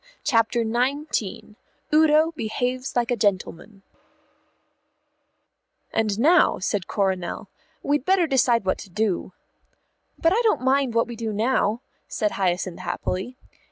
CHAPTER XIX UDO BEHAVES LIKE A GENTLEMAN "And now," said Coronel, "we'd better decide what to do." "But I don't mind what we do now," said Hyacinth happily.